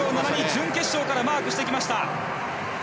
準決勝からマークしてきました。